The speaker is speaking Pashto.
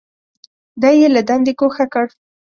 دی یې له دندې ګوښه کړ.